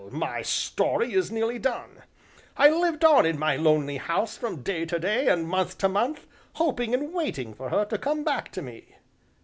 my story is nearly done. I lived on in my lonely house from day to day, and month to month, hoping and waiting for her to come back to me.